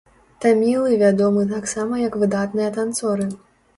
Тамілы вядомы таксама як выдатныя танцоры.